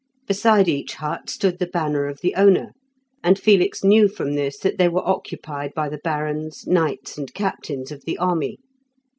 Beside each hut stood the banner of the owner, and Felix knew from this that they were occupied by the barons, knights, and captains of the army.